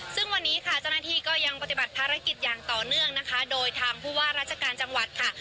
ซึ่งวันนี้ค่ะเจ้าหน้าที่ก็ยังปฏิบัติภารกิจอย่างต่อเนื่องนะคะโดยทางผู้ว่าราชการจังหวัดค่ะ